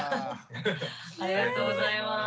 ありがとうございます。